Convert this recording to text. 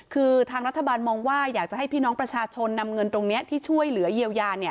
คือทางรัฐบาลมองว่าอยากจะให้พี่น้องประชาชนนำเงินตรงนี้ที่ช่วยเหลือเยียวยา